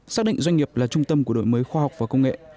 xác định doanh nghiệp là trung tâm của đổi mới khoa học và công nghệ